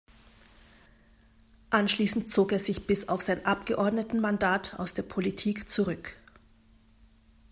Anschließend zog er sich bis auf sein Abgeordnetenmandat aus der Politik zurück.